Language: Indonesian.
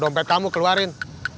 dompet kamu keluarin